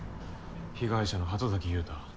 被害者の鳩崎優太